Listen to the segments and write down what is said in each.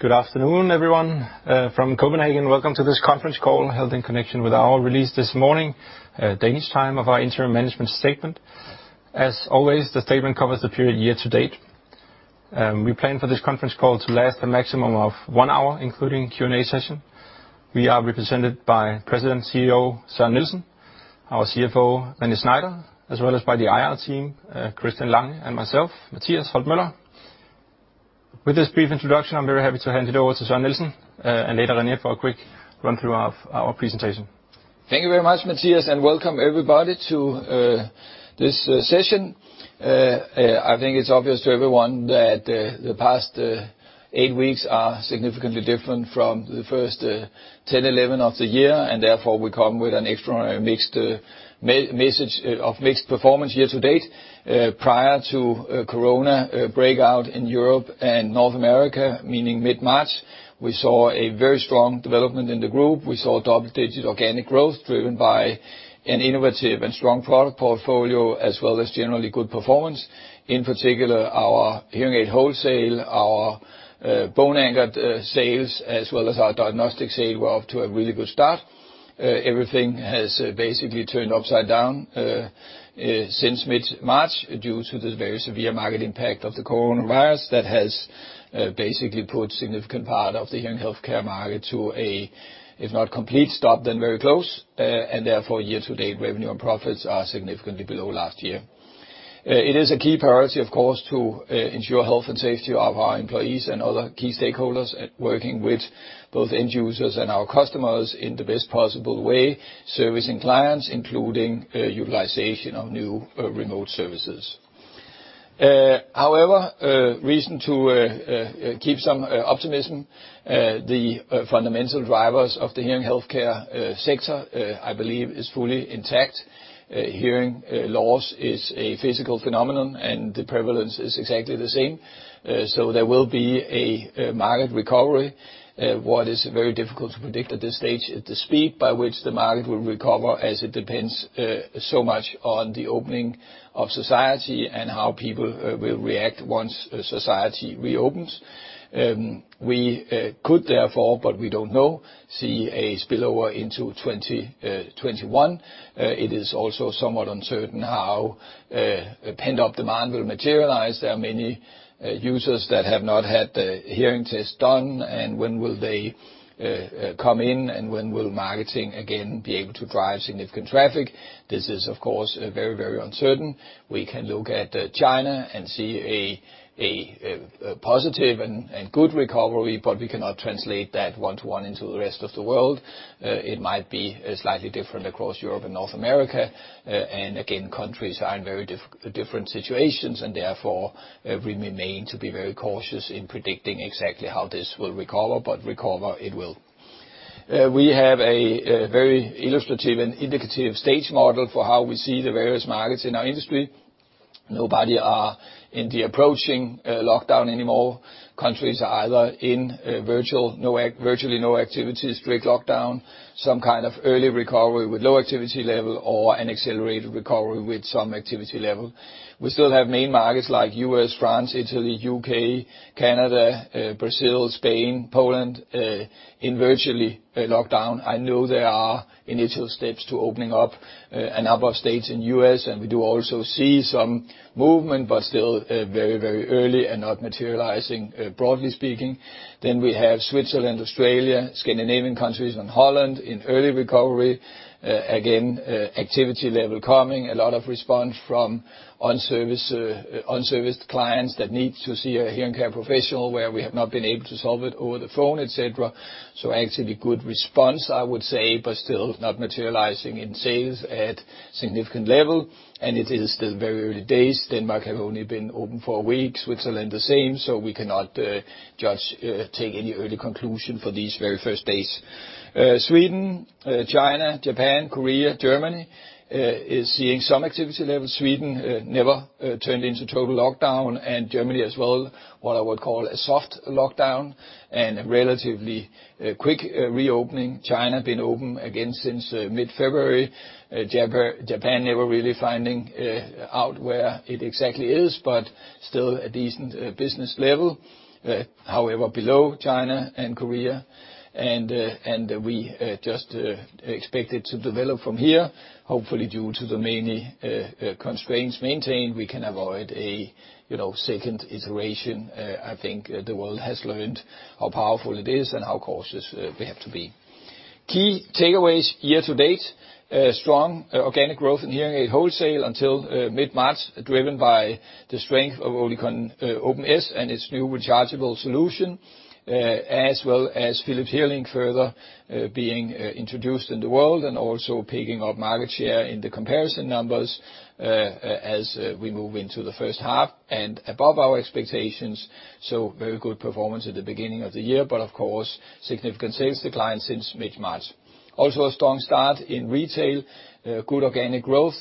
Good afternoon, everyone. From Copenhagen, welcome to this conference call held in connection with our release this morning, Danish time, of our interim management statement. As always, the statement covers the period year-to-date. We plan for this conference call to last a maximum of one hour, including Q&A session. We are represented by President and CEO Søren Nielsen, our CFO René Schneider, as well as by the IR team, Christian Lange, and myself, Mathias Holten Møller. With this brief introduction, I'm very happy to hand it over to Søren Nielsen, and later René for a quick run-through of our presentation. Thank you very much, Mathias, and welcome everybody to this session. I think it's obvious to everyone that the past eight weeks are significantly different from the first 10/11 of the year, and therefore we come with an extraordinary mixed message of mixed performance year-to-date. Prior to corona breakout in Europe and North America, meaning mid-March. We saw a very strong development in the group. We saw double-digit organic growth driven by an innovative and strong product portfolio, as well as generally good performance. In particular, our hearing aid wholesale, our bone-anchored sales, as well as our diagnostic sales, were off to a really good start. Everything has basically turned upside down since mid-March due to this very severe market impact of the coronavirus that has basically put a significant part of the hearing healthcare market to a, if not complete stop, then very close. And therefore, year-to-date, revenue and profits are significantly below last year. It is a key priority, of course, to ensure health and safety of our employees and other key stakeholders and working with both end users and our customers in the best possible way, servicing clients, including utilization of new remote services. However, reason to keep some optimism. The fundamental drivers of the hearing healthcare sector, I believe, is fully intact. Hearing loss is a physical phenomenon, and the prevalence is exactly the same. So there will be a market recovery. What is very difficult to predict at this stage is the speed by which the market will recover, as it depends so much on the opening of society and how people will react once society reopens. We could therefore, but we don't know, see a spillover into 2021. It is also somewhat uncertain how pent-up demand will materialize. There are many users that have not had the hearing test done, and when will they come in, and when will marketing again be able to drive significant traffic? This is, of course, very, very uncertain. We can look at China and see a positive and good recovery, but we cannot translate that one-to-one into the rest of the world. It might be slightly different across Europe and North America, and again, countries are in very different situations, and therefore, we remain to be very cautious in predicting exactly how this will recover, but recover it will. We have a very illustrative and indicative stage model for how we see the various markets in our industry. Nobody are in the approaching lockdown anymore. Countries are either in virtually no activity, strict lockdown, some kind of early recovery with low activity level, or an accelerated recovery with some activity level. We still have main markets like U.S., France, Italy, U.K., Canada, Brazil, Spain, Poland, in virtual lockdown. I know there are initial steps to opening up, a number of states in U.S., and we do also see some movement, but still, very, very early and not materializing, broadly speaking. Then we have Switzerland, Australia, Scandinavian countries, and Holland in early recovery. Again, activity level coming, a lot of response from unserviced clients that need to see a hearing care professional, where we have not been able to solve it over the phone, etc. So actually good response, I would say, but still not materializing in sales at significant level, and it is still very early days. Denmark have only been open for a week, Switzerland the same, so we cannot take any early conclusion for these very first days. Sweden, China, Japan, Korea, Germany is seeing some activity level. Sweden never turned into total lockdown, and Germany as well, what I would call a soft lockdown and a relatively quick reopening. China been open again since mid-February. Japan never really finding out where it exactly is, but still a decent business level, however below China and Korea. We just expect it to develop from here. Hopefully, due to the many constraints maintained, we can avoid a you know second iteration. I think the world has learned how powerful it is and how cautious we have to be. Key takeaways year-to-date: strong organic growth in hearing aid wholesale until mid-March, driven by the strength of Oticon Opn S and its new rechargeable solution, as well as Philips HearLink further being introduced in the world and also picking up market share in the comparison numbers as we move into H1 and above our expectations. So very good performance at the beginning of the year, but of course significant sales decline since mid-March. Also a strong start in retail, good organic growth,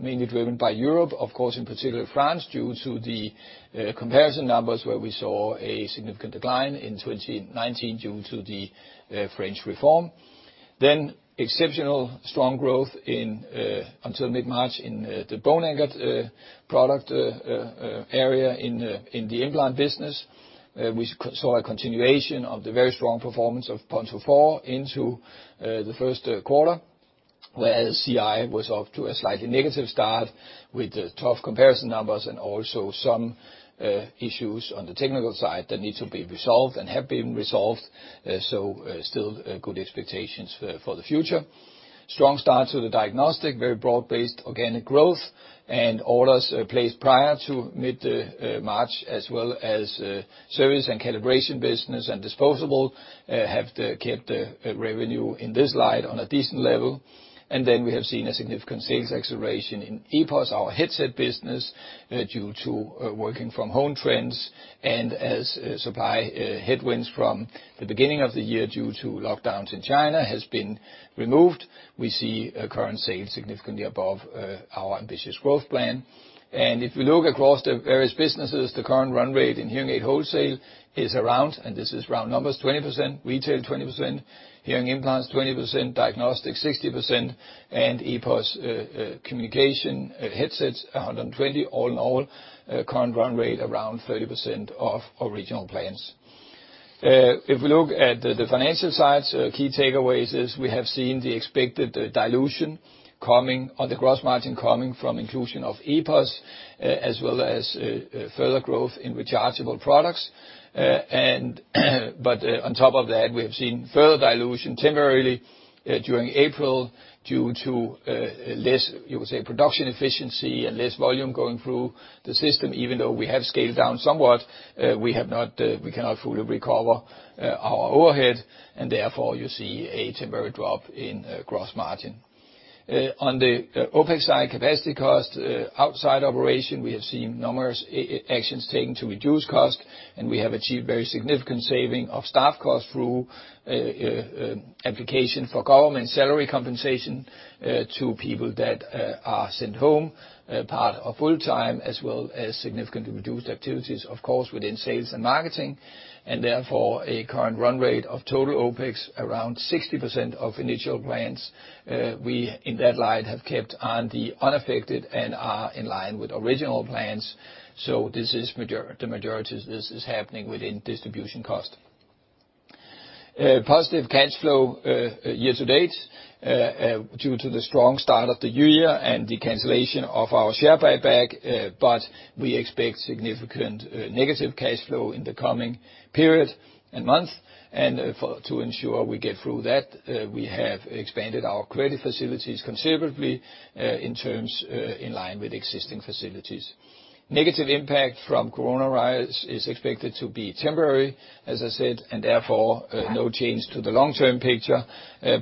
mainly driven by Europe, of course in particular France, due to the comparison numbers where we saw a significant decline in 2019 due to the French reform. Then exceptional strong growth until mid-March in the bone-anchored product area in the implant business. We saw a continuation of the very strong performance of Ponto 4 into the Q1, whereas CI was off to a slightly negative start with tough comparison numbers and also some issues on the technical side that need to be resolved and have been resolved. Still, good expectations for the future. Strong start to the diagnostics, very broad-based organic growth, and orders placed prior to mid-March, as well as service and calibration business and disposables, have kept revenue in this line on a decent level. Then we have seen a significant sales acceleration in EPOS, our headset business, due to working from home trends, and as supply headwinds from the beginning of the year due to lockdowns in China has been removed, we see current sales significantly above our ambitious growth plan. And if we look across the various businesses, the current run rate in hearing aid wholesale is around, and this is round numbers, 20% retail, 20% hearing implants, 20% diagnostics, 60% and EPOS communication headsets 120%. All in all, current run rate around 30% of original plans. If we look at the financial sides, key takeaways is we have seen the expected dilution coming on the gross margin coming from inclusion of EPOS, as well as further growth in rechargeable products. But on top of that, we have seen further dilution temporarily during April due to less, you would say, production efficiency and less volume going through the system. Even though we have scaled down somewhat, we have not, we cannot fully recover our overhead, and therefore you see a temporary drop in gross margin. On the OpEx side, capacity cost outside operation, we have seen numerous actions taken to reduce cost, and we have achieved very significant saving of staff cost through application for government salary compensation to people that are sent home part or full-time, as well as significantly reduced activities, of course, within sales and marketing. And therefore, a current run rate of total OpEx around 60% of initial plans. We in that light have kept OpEx unaffected and are in line with original plans. So the majority of this is happening within distribution cost. Positive cash flow year-to-date due to the strong start of the year and the cancellation of our share buyback, but we expect significant negative cash flow in the coming period and month. And therefore, to ensure we get through that, we have expanded our credit facilities considerably, in terms in line with existing facilities. Negative impact from coronavirus is expected to be temporary, as I said, and therefore, no change to the long-term picture,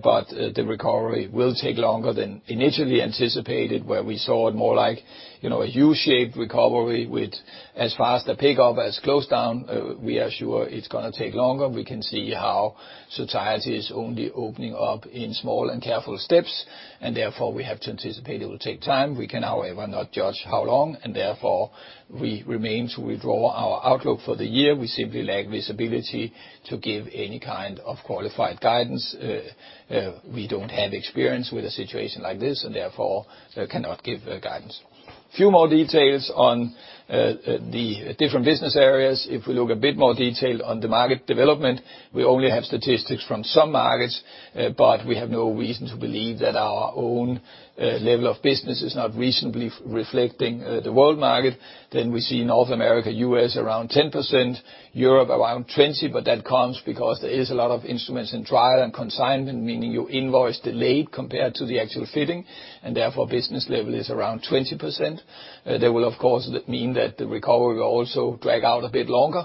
but the recovery will take longer than initially anticipated, where we saw it more like, you know, a U-shaped recovery with as fast a pickup as close down. We are sure it's gonna take longer. We can see how society is only opening up in small and careful steps, and therefore we have to anticipate it will take time. We can, however, not judge how long, and therefore we remain to withdraw our outlook for the year. We simply lack visibility to give any kind of qualified guidance. We don't have experience with a situation like this and therefore, cannot give a guidance. Few more details on the different business areas. If we look a bit more detailed on the market development, we only have statistics from some markets, but we have no reason to believe that our own level of business is not reasonably reflecting the world market. Then we see North America, U.S. around 10%, Europe around 20%, but that comes because there is a lot of instruments in trial and consignment. Meaning your invoice delayed compared to the actual fitting, and therefore business level is around 20%. That will, of course, mean that the recovery will also drag out a bit longer,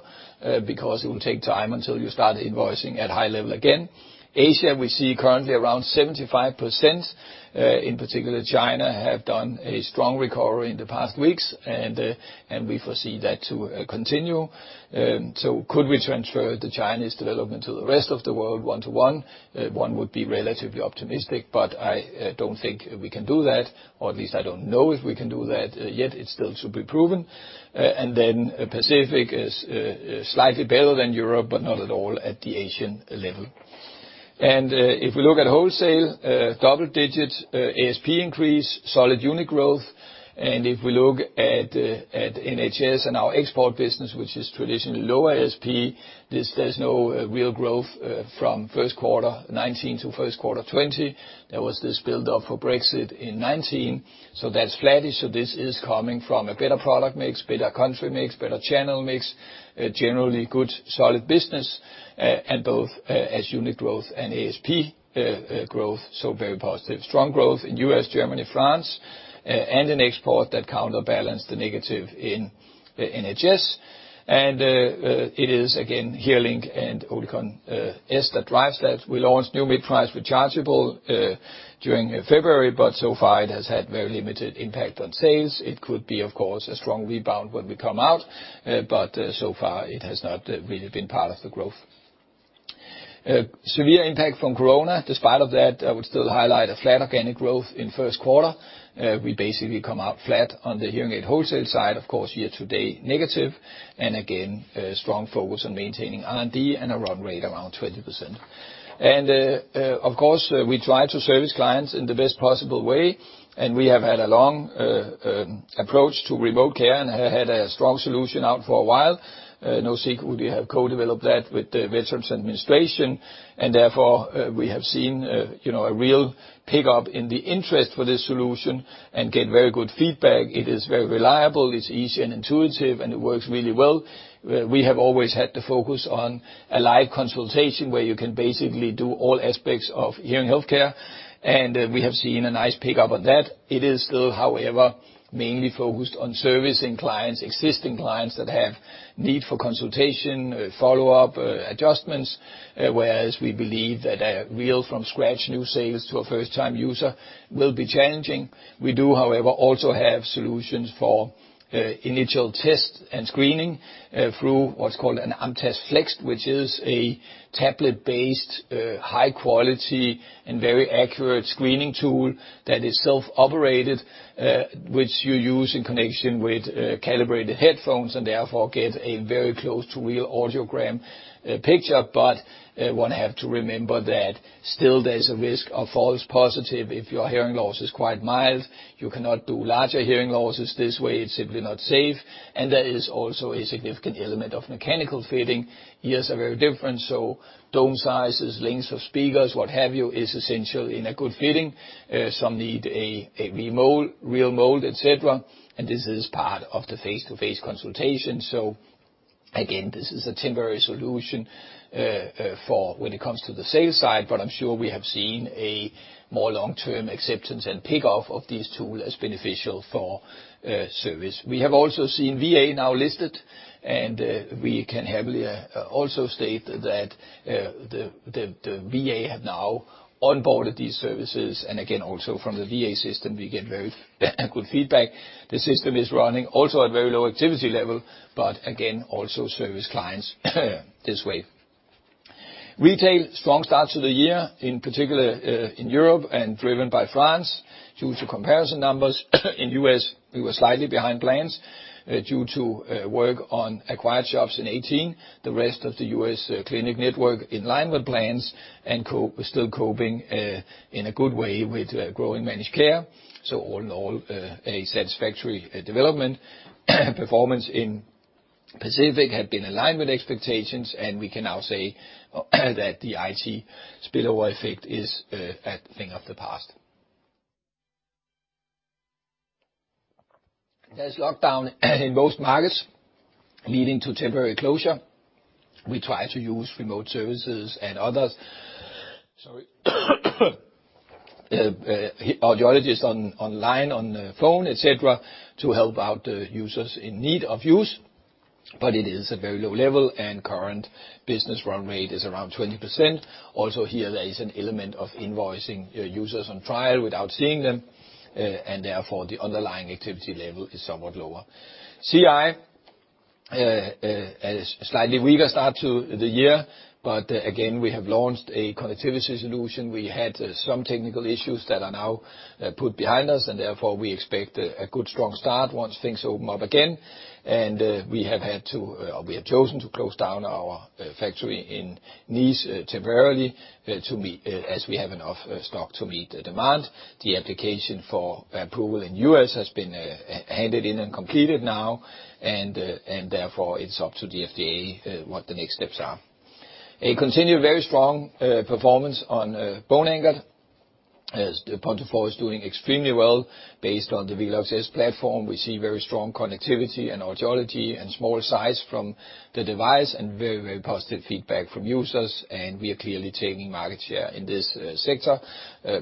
because it will take time until you start invoicing at high level again. Asia, we see currently around 75%. In particular, China have done a strong recovery in the past weeks, and we foresee that to continue. So could we transfer the Chinese development to the rest of the world one-to-one? One would be relatively optimistic, but I don't think we can do that, or at least I don't know if we can do that yet. It's still to be proven, and then Pacific is slightly better than Europe, but not at all at the Asian level. If we look at wholesale double-digit ASP increase, solid unit growth. And if we look at NHS and our export business, which is traditionally low ASP, there's no real growth from Q1 2019 to Q1 2020. There was this build-up for Brexit in 2019, so that's flattish. This is coming from a better product mix, better country mix, better channel mix, generally good solid business, and both as unit growth and ASP growth. So very positive. Strong growth in U.S., Germany, France, and in export that counterbalanced the negative in NHS, and it is again HearLink and Oticon S that drives that. We launched new mid-price rechargeable during February, but so far it has had very limited impact on sales. It could be, of course, a strong rebound when we come out, but so far it has not really been part of the growth. Severe impact from corona. Despite of that, I would still highlight a flat organic growth in first quarter. We basically come out flat on the hearing aid wholesale side, of course, year-to-date negative, and again strong focus on maintaining R&D and a run rate around 20%, and of course we try to service clients in the best possible way, and we have had a long approach to remote care and have had a strong solution out for a while. No secret we have co-developed that with the Veterans Administration, and therefore, we have seen, you know, a real pickup in the interest for this solution and get very good feedback. It is very reliable, it's easy and intuitive, and it works really well. We have always had the focus on a live consultation where you can basically do all aspects of hearing healthcare, and, we have seen a nice pickup on that. It is still, however, mainly focused on servicing clients, existing clients that have need for consultation, follow-up, adjustments, whereas we believe that, real from scratch new sales to a first-time user will be challenging. We do, however, also have solutions for initial test and screening through what's called an AMTAS Flex, which is a tablet-based, high-quality and very accurate screening tool that is self-operated, which you use in connection with calibrated headphones and therefore get a very close to real audiogram picture. But one have to remember that still there's a risk of false positive. If your hearing loss is quite mild, you cannot do larger hearing losses. This way it's simply not safe. And there is also a significant element of mechanical fitting. Ears are very different, so dome sizes, lengths of speakers, what have you is essential in a good fitting. Some need a dome, an earmold, etc., and this is part of the face-to-face consultation. So again, this is a temporary solution for when it comes to the sales side, but I'm sure we have seen a more long-term acceptance and pickup of this tool as beneficial for service. We have also seen VA now listed, and we can happily also state that the VA have now onboarded these services. And again, also from the VA system, we get very good feedback. The system is running also at very low activity level, but again, also serving clients this way. Retail, strong start to the year, in particular, in Europe and driven by France. Due to comparison numbers in U.S. we were slightly behind plans, due to work on acquired shops in 2018. The rest of the U.S. clinic network in line with plans and we're still coping in a good way with growing managed care. So all in all, a satisfactory development. Performance in Pacific had been in line with expectations, and we can now say that the IT spillover effect is a thing of the past. There's lockdown in most markets leading to temporary closure. We try to use remote services and others. Sorry, audiologists online, on phone, etc., to help out the users in need of use. But it is at very low level, and current business run rate is around 20%. Also here, there is an element of invoicing users on trial without seeing them, and therefore the underlying activity level is somewhat lower. CI has a slightly weaker start to the year, but again, we have launched a connectivity solution. We had some technical issues that are now put behind us, and therefore, we expect a good strong start once things open up again. We have had to, or we have chosen to close down our factory in Nice temporarily as we have enough stock to meet the demand. The application for approval in the U.S. has been handed in and completed now, and therefore it's up to the FDA what the next steps are. A continued very strong performance on bone-anchored. Ponto 4 is doing extremely well based on the Velox S platform. We see very strong connectivity and audiology and small size from the device and very, very positive feedback from users. We are clearly taking market share in this sector.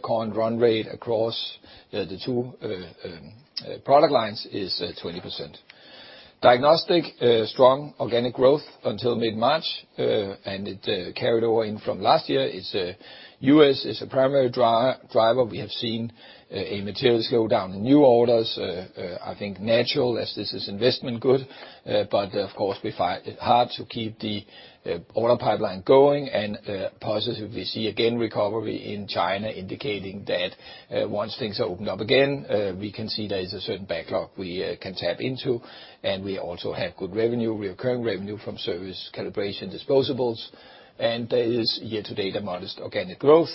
Current run rate across the two product lines is 20%. Diagnostics strong organic growth until mid-March, and it carried over from last year. It's the U.S. is a primary driver. We have seen a material slowdown in new orders. I think naturally as this is an investment good, but of course we fight hard to keep the order pipeline going. Positively we see again recovery in China indicating that once things are opened up again, we can see there is a certain backlog we can tap into. We also have good revenue, recurring revenue from service calibration disposables. Year-to-date there is a modest organic growth.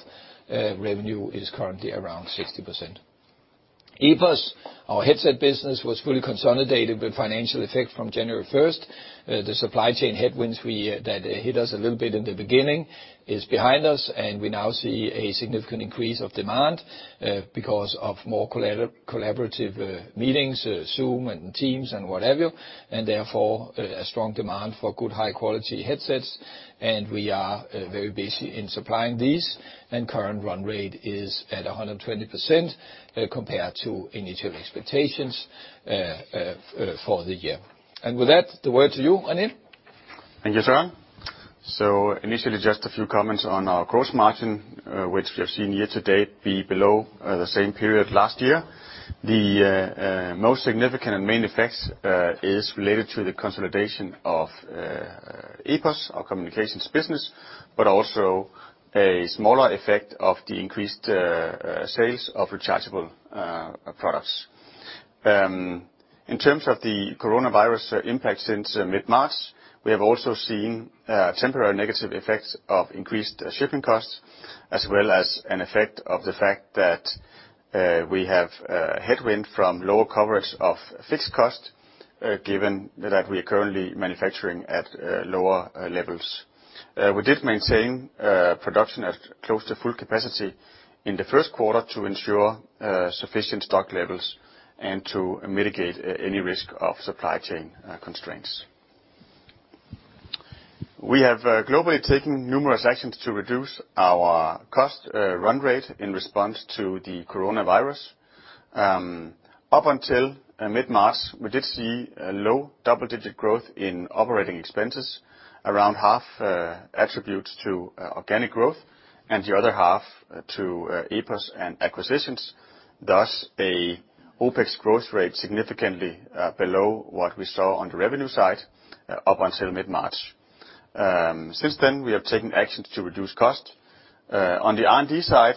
Revenue is currently around 60%. EPOS, our headset business, was fully consolidated with financial effect from 1 January 2020. The supply chain headwinds that hit us a little bit in the beginning are behind us, and we now see a significant increase of demand because of more collaborative meetings, Zoom and Teams and what have you. Therefore, a strong demand for good high-quality headsets. We are very busy in supplying these, and current run rate is at 120%, compared to initial expectations for the year. With that, the word to you, René. Thank you, Søren. Initially just a few comments on our gross margin, which we have seen year-to-date be below the same period last year. The most significant and main effects is related to the consolidation of EPOS, our communications business, but also a smaller effect of the increased sales of rechargeable products. In terms of the coronavirus impact since mid-March, we have also seen temporary negative effects of increased shipping costs, as well as an effect of the fact that we have headwind from lower coverage of fixed cost, given that we are currently manufacturing at lower levels. We did maintain production at close to full capacity in Q1 to ensure sufficient stock levels and to mitigate any risk of supply chain constraints. We have globally taken numerous actions to reduce our cost run rate in response to the coronavirus. Up until mid-March, we did see a low double-digit growth in operating expenses, around half attributes to organic growth and the other half to EPOS and acquisitions. Thus, an OpEx growth rate significantly below what we saw on the revenue side up until mid-March. Since then we have taken actions to reduce cost. On the R&D side,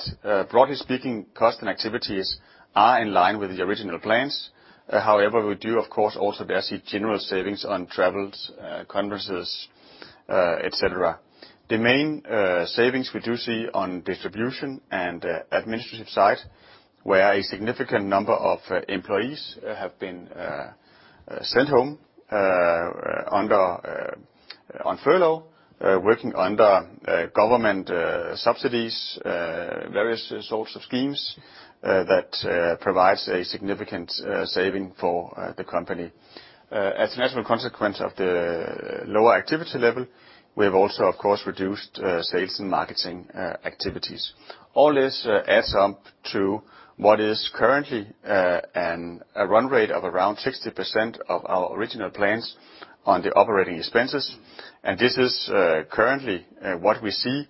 broadly speaking, cost and activities are in line with the original plans. However, we do, of course, also there see general savings on travels, conferences, etc. The main savings we do see on distribution and administrative side, where a significant number of employees have been sent home on furlough, working under government subsidies, various sorts of schemes that provides a significant saving for the company. As a natural consequence of the lower activity level, we have also of course reduced sales and marketing activities. All this adds up to what is currently a run rate of around 60% of our original plans on the operating expenses. And this is currently what we see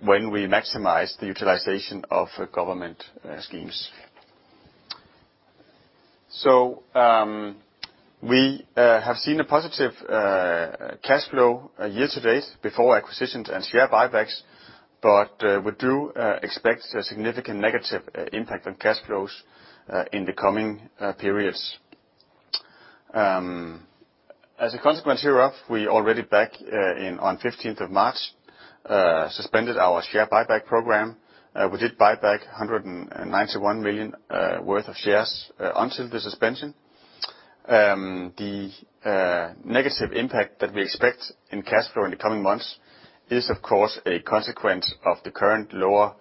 when we maximize the utilization of government schemes, so we have seen a positive cash flow year to date before acquisitions and share buybacks, but we do expect a significant negative impact on cash flows in the coming periods. As a consequence hereof, we already back on 15 March 2020 suspended our share buyback program. We did buyback 191 million worth of shares until the suspension. The negative impact that we expect in cash flow in the coming months is, of course, a consequence of the current lower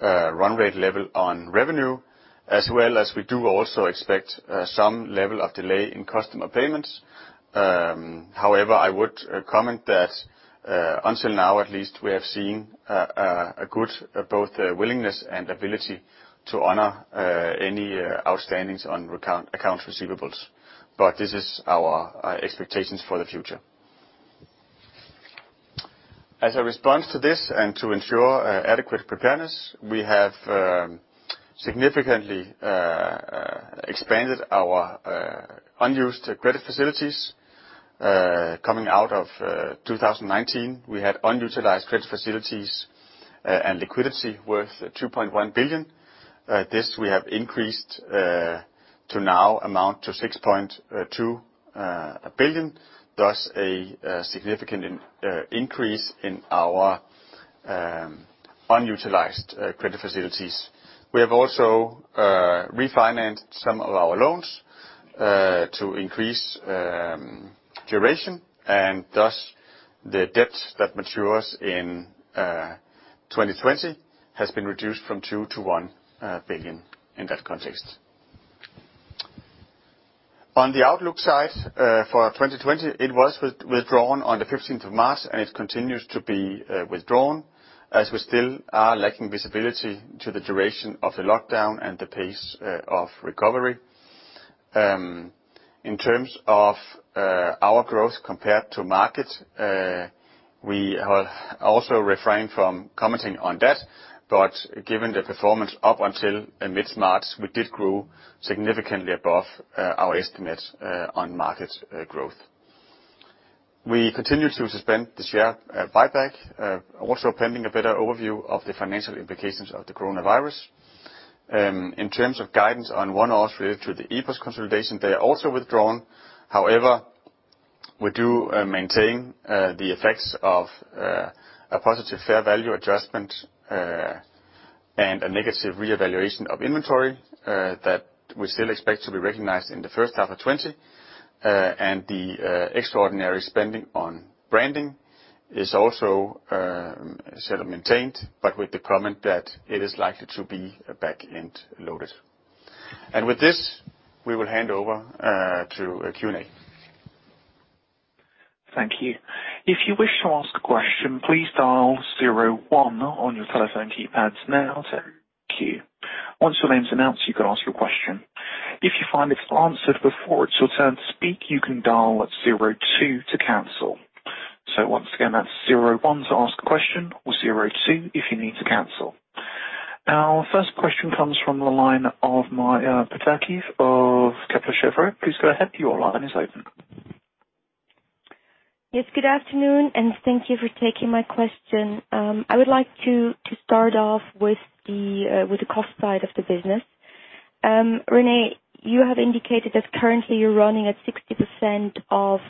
run rate level on revenue, as well as we do also expect some level of delay in customer payments. However, I would comment that, until now at least, we have seen a good both willingness and ability to honor any outstandings on current accounts receivable. But this is our expectations for the future. As a response to this and to ensure adequate preparedness, we have significantly expanded our unused credit facilities. Coming out of 2019, we had unutilized credit facilities and liquidity worth 2.1 billion. This we have increased to now amount to 6.2 billion. Thus, a significant increase in our unutilized credit facilities. We have also refinanced some of our loans to increase duration, and thus the debt that matures in 2020 has been reduced from 2 to 1 billion in that context. On the outlook side for 2020, it was withdrawn on the 15 March 2020, and it continues to be withdrawn as we still are lacking visibility to the duration of the lockdown and the pace of recovery. In terms of our growth compared to market, we have also refrained from commenting on that, but given the performance up until mid-March, we did grow significantly above our estimate on market growth. We continue to suspend the share buyback, also pending a better overview of the financial implications of the coronavirus. In terms of guidance on Q1 or Q3 to the EPOS consolidation, they are also withdrawn. However, we do maintain the effects of a positive fair value adjustment and a negative reevaluation of inventory that we still expect to be recognized in H1 of 2020. And the extraordinary spending on branding is also sort of maintained, but with the comment that it is likely to be back-end loaded. And with this, we will hand over to Q&A. Thank you. If you wish to ask a question, please dial zero one on your telephone keypads now to queue. Once your name's announced, you can ask your question. If you find it's answered before it's your turn to speak, you can dial zero two to cancel. So once again, that's 01 to ask a question or zero two if you need to cancel. Our first question comes from the line of Maja Pataki of Kepler Cheuvreux. Please go ahead. Your line is open. Yes, good afternoon, and thank you for taking my question. I would like to start off with the cost side of the business. René, you have indicated that currently you're running at 60% of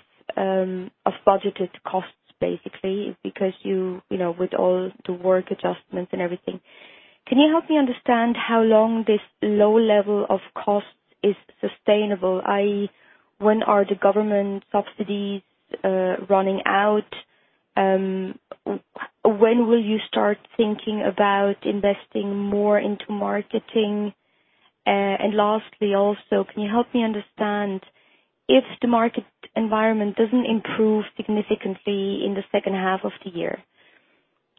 budgeted costs basically because you know, with all the work adjustments and everything. Can you help me understand how long this low level of cost is sustainable, i.e. when are the government subsidies running out? When will you start thinking about investing more into marketing? And lastly also, can you help me understand if the market environment doesn't improve significantly in H2 of the year,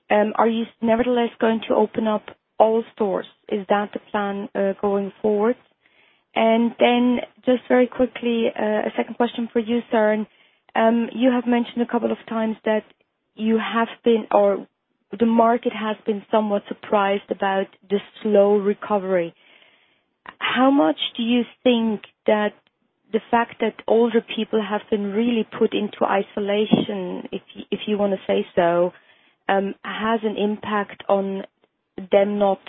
are you nevertheless going to open up all stores? Is that the plan, going forward? Then just very quickly, a second question for you, Søren. You have mentioned a couple of times that you have been, or the market has been, somewhat surprised about the slow recovery. How much do you think that the fact that older people have been really put into isolation, if you wanna say so, has an impact on them not,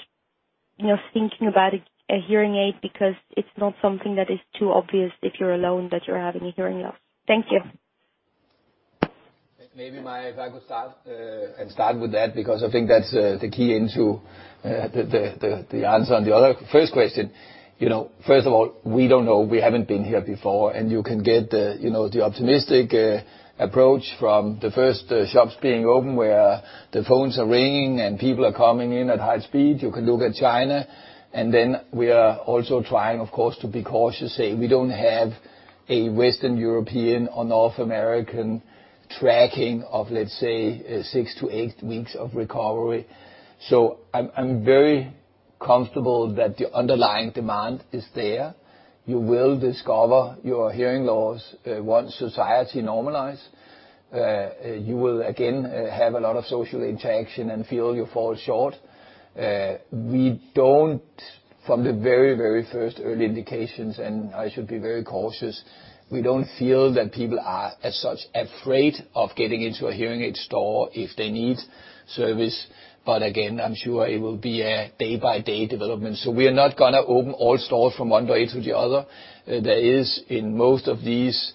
you know, thinking about a hearing aid because it's not something that is too obvious if you're alone that you're having a hearing loss? Thank you. Maybe I'll start and start with that because I think that's the key into the answer on the other first question. You know, first of all, we don't know. We haven't been here before. And you can get, you know, the optimistic approach from the first shops being open where the phones are ringing and people are coming in at high speed. You can look at China. And then we are also trying, of course, to be cautious. Say we don't have a Western European or North American tracking of, let's say, six to eight weeks of recovery. So I'm, I'm very comfortable that the underlying demand is there. You will discover your hearing loss, once society normalize. You will again have a lot of social interaction and feel you fall short. We don't, from the very, very first early indications, and I should be very cautious, we don't feel that people are as such afraid of getting into a hearing aid store if they need service. But again, I'm sure it will be a day-by-day development. So we are not gonna open all stores from one day to the other. There is in most of these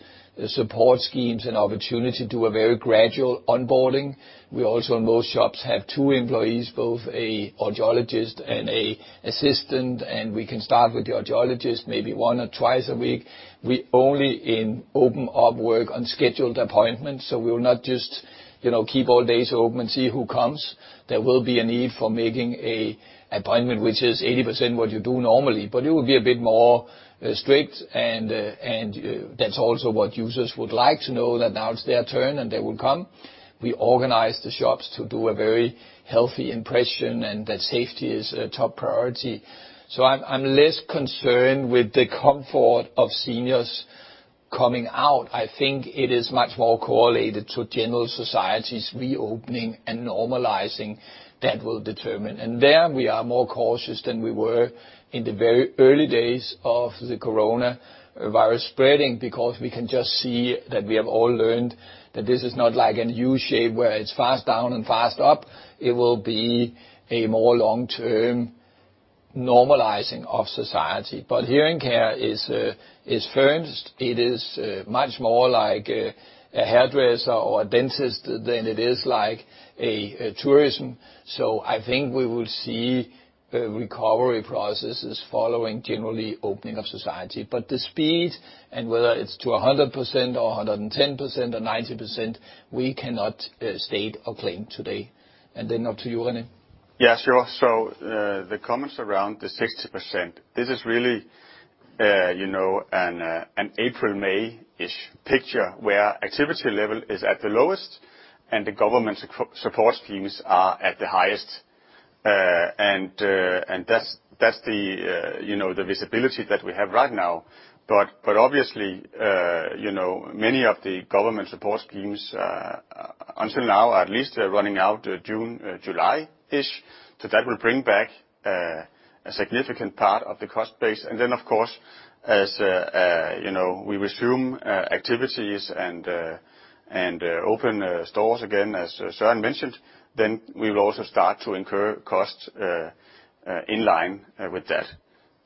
support schemes and opportunity to do a very gradual onboarding. We also in most shops have two employees, both an audiologist and an assistant. We can start with the audiologist maybe one or two times a week. We only open up and work on scheduled appointments. We will not just, you know, keep all days open and see who comes. There will be a need for making an appointment, which is 80% what you do normally, but it will be a bit more strict. That's also what users would like to know that now it's their turn and they will come. We organize the shops to give a very healthy impression and that safety is a top priority. So I'm less concerned with the comfort of seniors coming out. I think it is much more correlated to general society's reopening and normalizing that will determine. And there we are more cautious than we were in the very early days of the coronavirus spreading because we can just see that we have all learned that this is not like a new shape where it's fast down and fast up. It will be a more long-term normalizing of society. But hearing care is first. It is much more like a hairdresser or a dentist than it is like a tourism. So I think we will see recovery processes following generally opening of society. But the speed and whether it's to 100% or 110% or 90%, we cannot state or claim today. And then up to you, René. Yes, sure. So the comments around the 60%, this is really you know an April May-ish picture where activity level is at the lowest and the government support schemes are at the highest. And that's the visibility that we have right now. But obviously, you know, many of the government support schemes until now are at least running out June, July-ish. So that will bring back a significant part of the cost base. And then, of course, as you know, we resume activities and open stores again, as Søren mentioned, then we will also start to incur costs in line with that.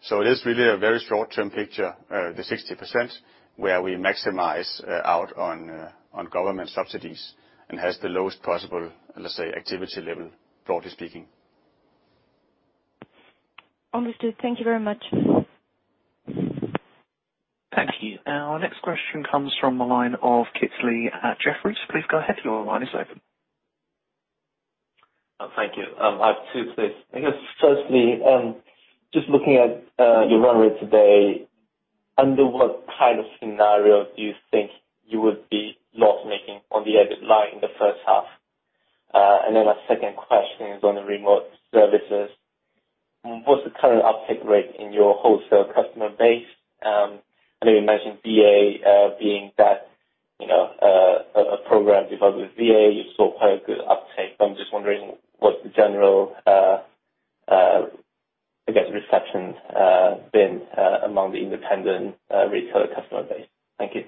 So it is really a very short-term picture, the 60% where we maximize out on government subsidies and has the lowest possible, let's say, activity level, broadly speaking. Understood. Thank you very much. Thank you. Our next question comes from the line of Kit Lee at Jefferies. Please go ahead. Your line is open. Thank you. I have two things. I guess firstly, just looking at your run rate today, under what kind of scenario do you think you would be loss-making on the EBIT line in the first half? And then our second question is on the remote services. What's the current uptake rate in your wholesale customer base? I know you mentioned VA being that, you know, a program developed with VA. You saw quite a good uptake. I'm just wondering what's the general, I guess, reception been among the independent retailer customer base? Thank you.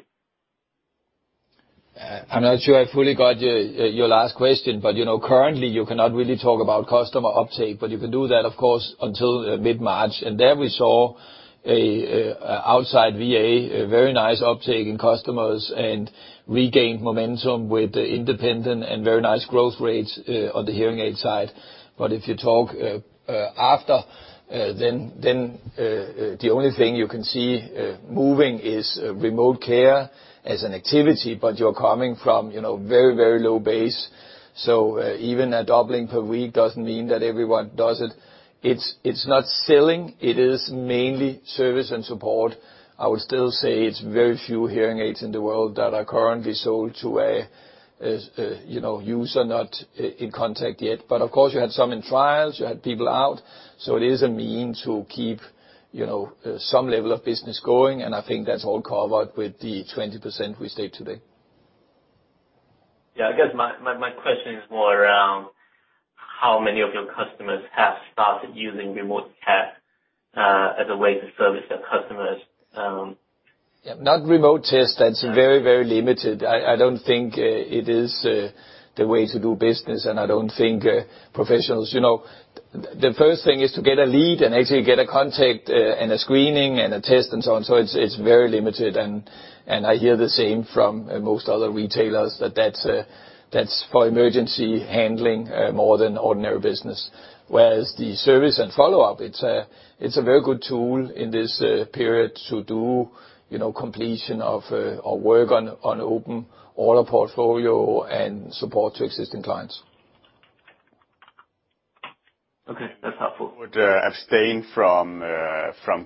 I'm not sure I fully got your last question, but you know, currently you cannot really talk about customer uptake, but you can do that, of course, until mid-March. And there we saw, outside VA, very nice uptake in customers and regained momentum with the independent and very nice growth rates on the hearing aid side. But if you talk after that, the only thing you can see moving is remote care as an activity, but you're coming from, you know, very, very low base. So even a doubling per week doesn't mean that everyone does it. It's not selling. It is mainly service and support. I would still say it's very few hearing aids in the world that are currently sold to a, you know, user not in contact yet. But of course, you had some in trials. You had people out. So it is a means to keep, you know, some level of business going. And I think that's all covered with the 20% we state today. Yeah. I guess my question is more around how many of your customers have started using remote care as a way to service their customers. Yeah. Not remote test. That's very, very limited. I don't think it is the way to do business. And I don't think professionals, you know, the first thing is to get a lead and actually get a contact, and a screening and a test and so on. So it's very limited. And I hear the same from most other retailers that that's for emergency handling, more than ordinary business. Whereas the service and follow-up, it's a very good tool in this period to do, you know, completion of, or work on open order portfolio and support to existing clients. Okay. That's helpful. Would abstain from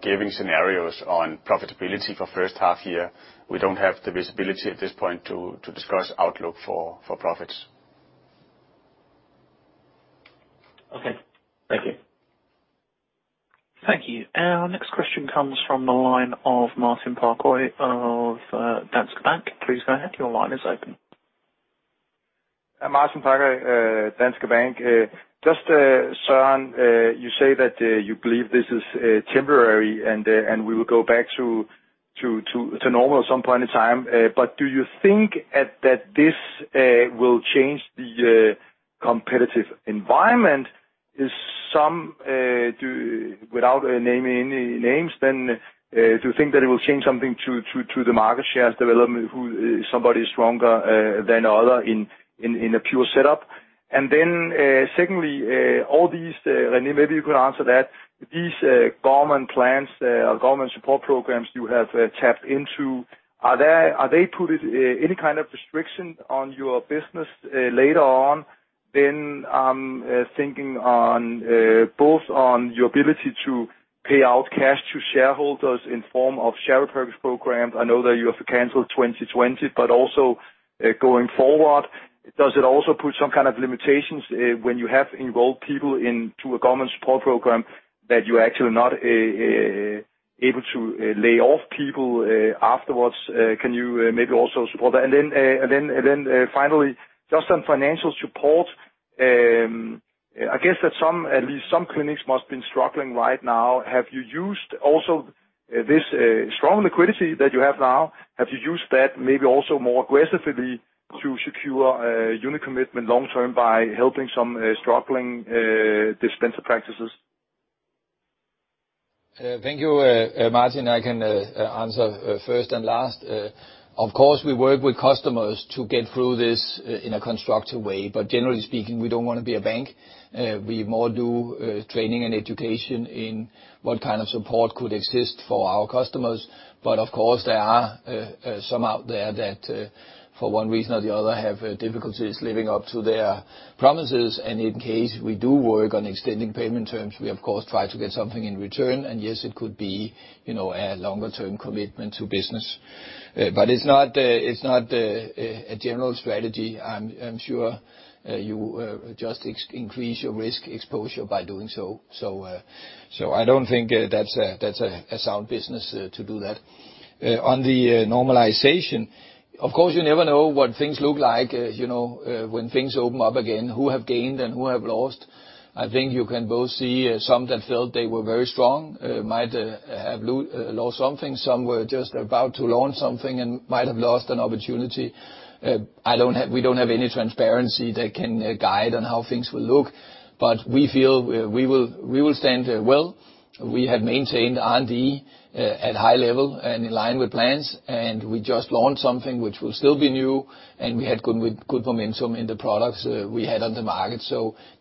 giving scenarios on profitability for H1 year. We don't have the visibility at this point to discuss outlook for profits. Our next question comes from the line of Martin Parkhøi of Danske Bank. Please go ahead. Your line is open. Martin Parkhøi at Danske Bank. Just, Søren, you say that you believe this is temporary and we will go back to normal at some point in time. But do you think that this will change the competitive environment? Is someone without naming any names, then do you think that it will change something to the market shares development who somebody's stronger than other in a pure setup? And then, secondly, all these, René, maybe you can answer that. These government plans or government support programs you have tapped into, are there any kind of restriction on your business later on? Then I'm thinking on both on your ability to pay out cash to shareholders in form of share repurchase programs. I know that you have canceled 2020, but also going forward, does it also put some kind of limitations when you have enrolled people into a government support program that you're actually not able to lay off people afterwards? Can you maybe also support that? And then finally, just on financial support, I guess that some at least some clinics must be struggling right now. Have you used also this strong liquidity that you have now? Have you used that maybe also more aggressively to secure unit commitment long-term by helping some struggling dispenser practices? Thank you, Martin. I can answer first and last. Of course, we work with customers to get through this in a constructive way. But generally speaking, we don't wanna be a bank. We more do training and education in what kind of support could exist for our customers. But of course, there are some out there that, for one reason or the other, have difficulties living up to their promises. And in case we do work on extending payment terms, we of course try to get something in return. And yes, it could be, you know, a longer-term commitment to business. But it's not a general strategy. I'm sure you just increase your risk exposure by doing so. So I don't think that's a sound business to do that. On the normalization, of course, you never know what things look like, you know, when things open up again, who have gained and who have lost. I think you can both see some that felt they were very strong might have lost something. Some were just about to launch something and might have lost an opportunity. I don't have. We don't have any transparency that can guide on how things will look. But we feel we will stand well. We have maintained R&D at high level and in line with plans. We just launched something which will still be new. We had good momentum in the products we had on the market.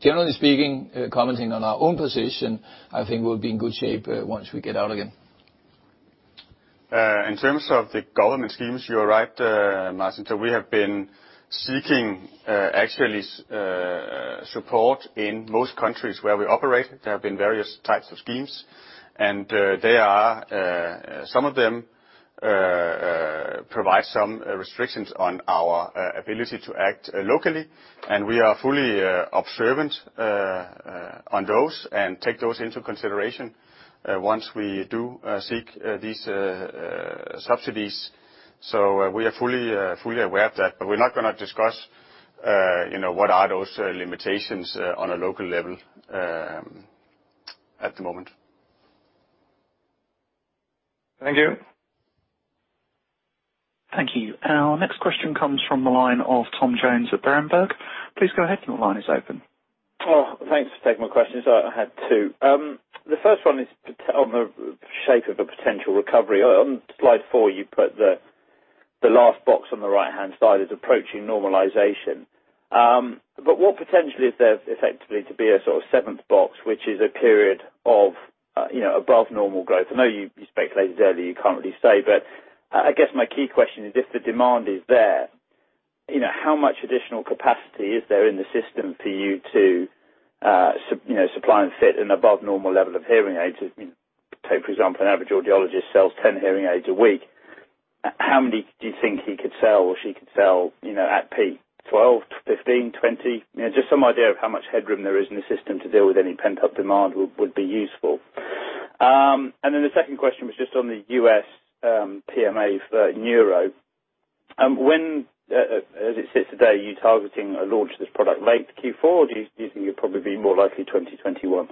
Generally speaking, commenting on our own position, I think we'll be in good shape once we get out again. In terms of the government schemes, you are right, Martin. So we have been seeking, actually, support in most countries where we operate. There have been various types of schemes. Some of them provide some restrictions on our ability to act locally. We are fully observant on those and take those into consideration once we seek these subsidies. So, we are fully, fully aware of that. But we're not gonna discuss, you know, what are those, limitations, on a local level, at the moment. Thank you. Thank you. Our next question comes from the line of Tom Jones at Berenberg. Please go ahead. Your line is open. Oh, thanks for taking my question. So I had two. The first one is thoughts on the shape of a potential recovery. On slide four, you put the last box on the right-hand side is approaching normalization. But what potentially is there effectively to be a sort of seventh box, which is a period of, you know, above normal growth? I know you speculated earlier you can't really say, but I guess my key question is if the demand is there, you know, how much additional capacity is there in the system for you to, you know, supply and fit an above normal level of hearing aids? If you know, take for example, an average audiologist sells 10 hearing aids a week, how many do you think he could sell or she could sell, you know, at peak? 12, 15, 20? You know, just some idea of how much headroom there is in the system to deal with any pent-up demand would be useful, and then the second question was just on the U.S. PMA for Neuro. When, as it sits today, are you targeting a launch of this product late Q4, or do you think it'll probably be more likely 2021?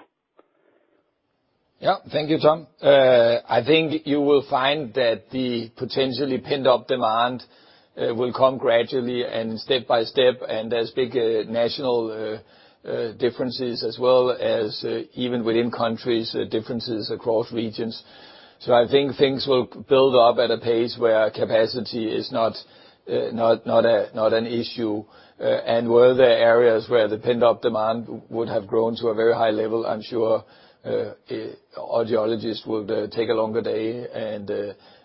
Yeah. Thank you, Tom. I think you will find that the potentially pent-up demand will come gradually and step by step. There's big national differences as well as even within countries differences across regions. So I think things will build up at a pace where capacity is not an issue. Where there are areas where the pent-up demand would have grown to a very high level. I'm sure audiologists would take a longer day and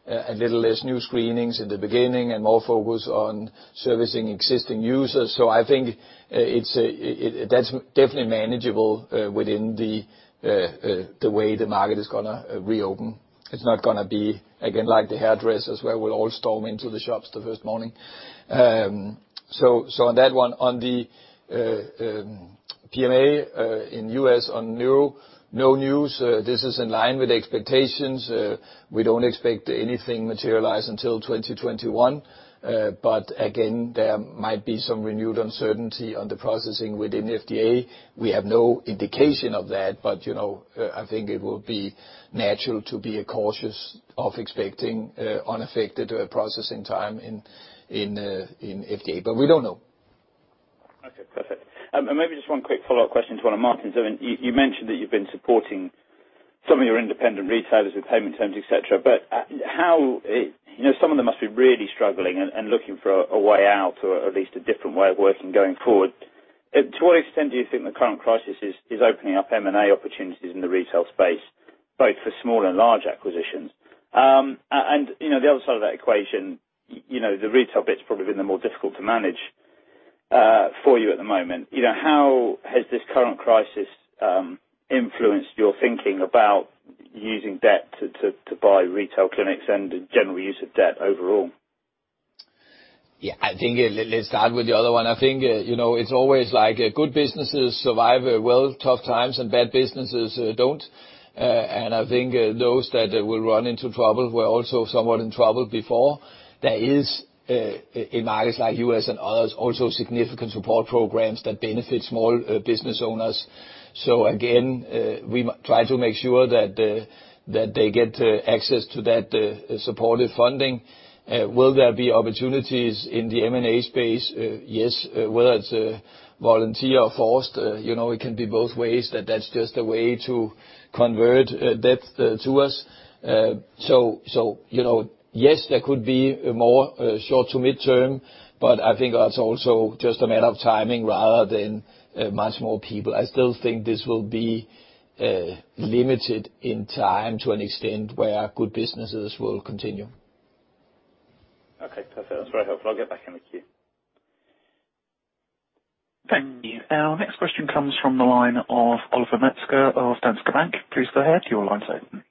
a little less new screenings in the beginning and more focus on servicing existing users. So I think it's definitely manageable within the way the market is gonna reopen. It's not gonna be again like the hairdressers where we'll all storm into the shops the first morning. So on that one, on the PMA in the U.S. on Neuro, no news. This is in line with expectations. We don't expect anything materialize until 2021. But again, there might be some renewed uncertainty on the processing within FDA. We have no indication of that. But, you know, I think it will be natural to be cautious of expecting unaffected processing time in FDA. But we don't know. Okay. Perfect. And maybe just one quick follow-up question to one of Martin's. I mean, you mentioned that you've been supporting some of your independent retailers with payment terms, etc., but how, you know, some of them must be really struggling and looking for a way out or at least a different way of working going forward. To what extent do you think the current crisis is opening up M&A opportunities in the retail space, both for small and large acquisitions? And, you know, the other side of that equation, you know, the retail bit's probably been the more difficult to manage, for you at the moment. You know, how has this current crisis, influenced your thinking about using debt to, to buy retail clinics and general use of debt overall? Yeah. I think, let's start with the other one. I think, you know, it's always like, good businesses survive, well, tough times, and bad businesses, don't. I think, those that, will run into trouble were also somewhat in trouble before. There is, in markets like U.S. and others, also significant support programs that benefit small business owners. So again, we must try to make sure that, that they get, access to that, supportive funding. Will there be opportunities in the M&A space? Yes. Whether it's voluntary or forced, you know, it can be both ways. That's just a way to convert debt to equity. So, you know, yes, there could be a more short- to mid-term, but I think that's also just a matter of timing rather than much more people. I still think this will be limited in time to an extent where good businesses will continue. Okay. Perfect. That's very helpful. I'll get back in a few. Thank you. Our next question comes from the line of Oliver Metzger of Commerzbank. Please go ahead. You're on the line today.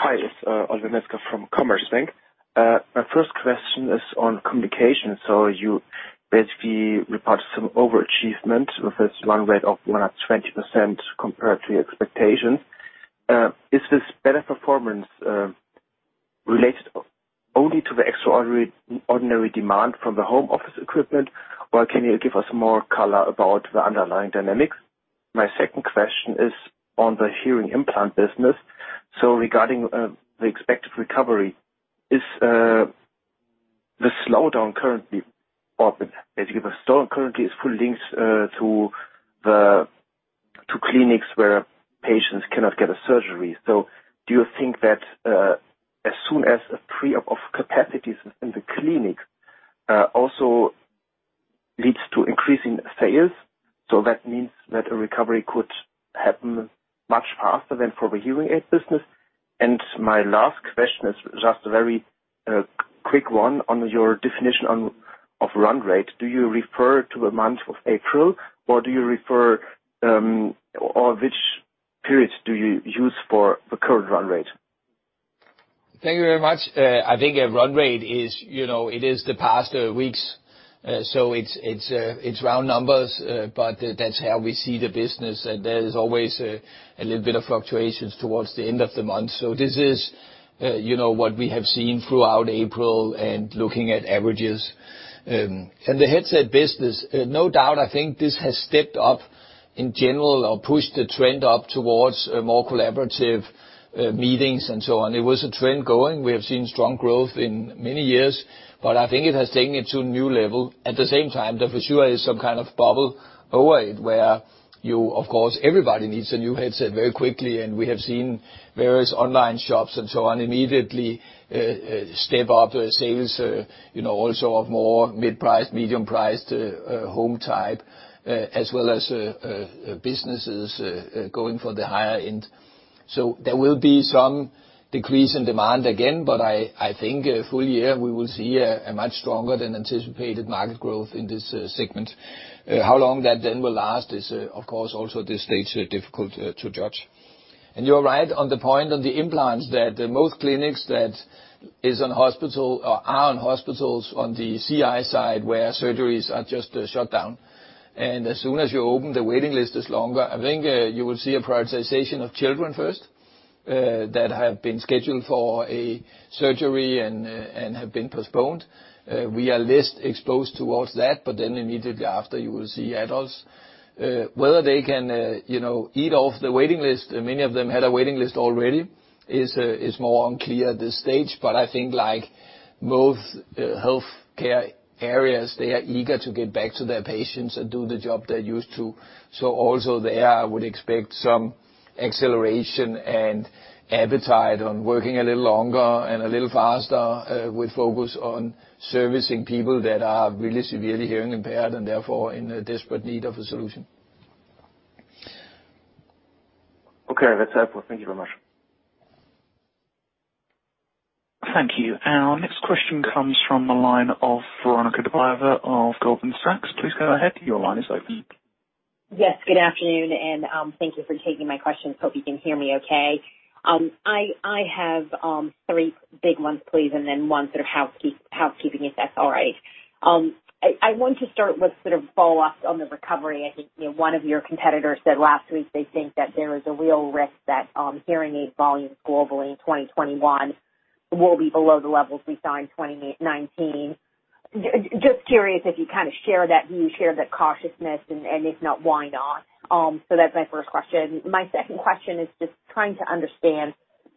Hi. It's Oliver Metzger from Commerzbank. My first question is on communication. So you basically reported some overachievement with this line rate of 120% compared to your expectations. Is this better performance related only to the extraordinary or ordinary demand from the home office equipment, or can you give us more color about the underlying dynamics? My second question is on the hearing implant business. So regarding the expected recovery, is the slowdown currently or basically fully linked to the clinics where patients cannot get a surgery? So do you think that as soon as a freeing up of capacities in the clinic also leads to increasing sales? So that means that a recovery could happen much faster than for the hearing aid business. And my last question is just a very quick one on your definition of run rate. Do you refer to the month of April, or which periods do you use for the current run rate? Thank you very much. I think a run rate is, you know, it is the past weeks, so it's round numbers, but that's how we see the business. And there is always a little bit of fluctuations towards the end of the month. So this is, you know, what we have seen throughout April and looking at averages. And the headset business, no doubt, I think this has stepped up in general or pushed the trend up towards more collaborative meetings and so on. It was a trend going. We have seen strong growth in many years, but I think it has taken it to a new level. At the same time, there for sure is some kind of bubble over it where you, of course, everybody needs a new headset very quickly. And we have seen various online shops and so on immediately step up the sales, you know, also of more mid-priced, medium-priced, home type, as well as businesses going for the higher end. So there will be some decrease in demand again, but I, I think full year we will see a, a much stronger than anticipated market growth in this segment. How long that then will last is, of course, also at this stage difficult to judge. And you're right on the point on the implants that most clinics that is on hospital or are on hospitals on the CI side where surgeries are just shut down. And as soon as you open the waiting list is longer. I think you will see a prioritization of children first that have been scheduled for a surgery and, and have been postponed. We are least exposed towards that, but then immediately after, you will see adults, whether they can, you know, eat off the waiting list. Many of them had a waiting list already is more unclear at this stage. But I think, like, most healthcare areas, they are eager to get back to their patients and do the job they're used to. So also there, I would expect some acceleration and appetite on working a little longer and a little faster, with focus on servicing people that are really severely hearing impaired and therefore in desperate need of a solution. Okay. That's helpful. Thank you very much. Thank you. Our next question comes from the line of Veronika Dubajova of Goldman Sachs. Please go ahead. Your line is open. Yes. Good afternoon, and thank you for taking my questions. Hope you can hear me okay. I have three big ones, please, and then one sort of housekeeping, if that's all right. I want to start with sort of follow-ups on the recovery. I think, you know, one of your competitors said last week they think that there is a real risk that hearing aid volumes globally in 2021 will be below the levels we saw in 2019. Just curious if you kind of share that, do you share that cautiousness? And if not, why not? So that's my first question. My second question is just trying to understand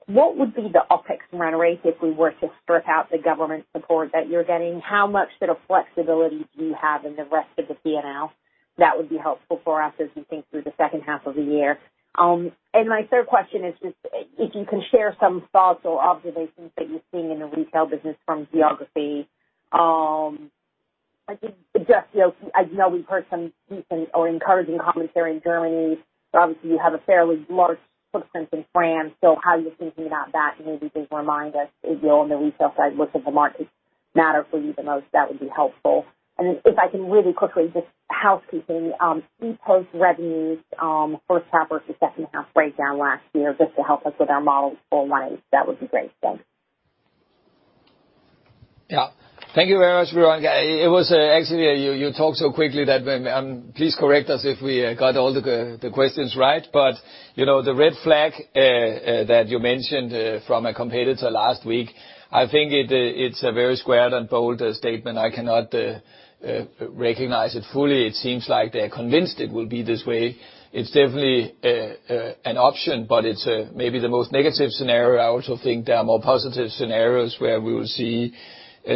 what would be the uptick from run rate if we were to strip out the government support that you're getting? How much sort of flexibility do you have in the rest of the P&L? That would be helpful for us as we think through H2 of the year. And my third question is just if you can share some thoughts or observations that you've seen in the retail business from geography. I think just, you know, I know we've heard some decent or encouraging commentary in Germany. Obviously, you have a fairly large footprint in France. So how you're thinking about that, maybe just remind us if you're on the retail side, which of the markets matter for you the most. That would be helpful. And if I can really quickly just housekeeping, EPOS revenues H1 versus H2 breakdown last year just to help us with our model for 2018, that would be great. Thanks. Yeah. Thank you very much, Veronika. It was actually you talked so quickly that please correct us if we got all the questions right. But you know, the red flag that you mentioned from a competitor last week, I think it, it's a very square and bold statement. I cannot recognize it fully. It seems like they're convinced it will be this way. It's definitely an option, but it's maybe the most negative scenario. I also think there are more positive scenarios where we will see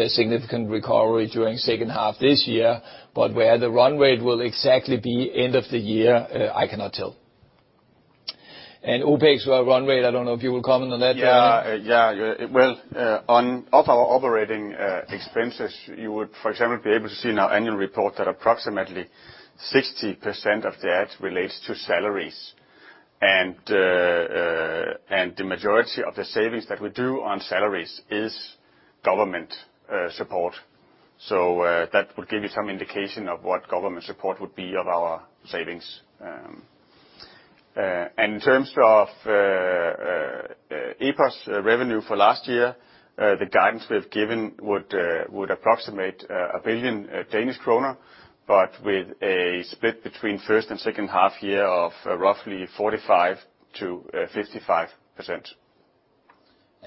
significant recovery during H2 this year, but where the run rate will exactly be end of the year, I cannot tell. And OpEx run rate, I don't know if you will comment on that, Veronika. Yeah. Well, one of our operating expenses, you would, for example, be able to see in our annual report that approximately 60% of that relates to salaries. And the majority of the savings that we do on salaries is government support. That would give you some indication of what government support would be of our savings. In terms of EPOS revenue for last year, the guidance we have given would approximate 1 billion Danish kroner, but with a split between H1 and H2 year of roughly 45%-55%.